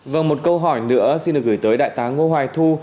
và một câu hỏi nữa xin được gửi tới đại tá ngô hoài thu